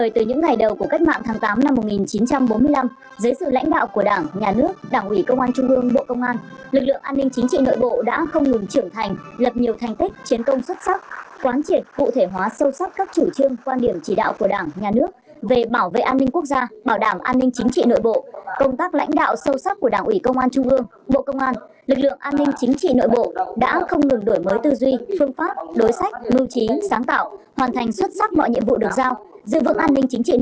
từ ngày đầu của cách mạng tháng tám năm một nghìn chín trăm bốn mươi năm dưới sự lãnh đạo của đảng nhà nước đảng ủy công an trung ương bộ công an lực lượng an ninh chính trị nội bộ đã không ngừng trưởng thành lập nhiều thành tích chiến công xuất sắc quán triển cụ thể hóa sâu sắc các chủ trương quan điểm chỉ đạo của đảng nhà nước về bảo vệ an ninh quốc gia bảo đảm an ninh chính trị nội bộ công tác lãnh đạo sâu sắc của đảng ủy công an trung ương bộ công an lực lượng an ninh chính trị nội bộ đã không ngừng đổi mới tư duy phương pháp đối sách lưu trí